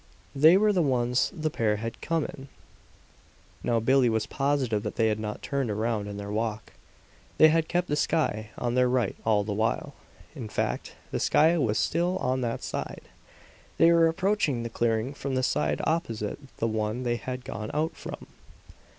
They were the ones the pair had come in! Now Billie was positive that they had not turned around in their walk; they had kept the sky on their right all the while. In fact, the sky was still on that side. They were approaching the clearing from the side opposite the one they had gone out from!